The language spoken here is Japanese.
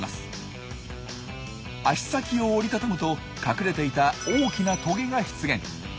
脚先を折り畳むと隠れていた大きなトゲが出現。